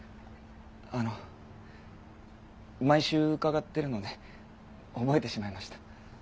あの毎週伺ってるので覚えてしまいました。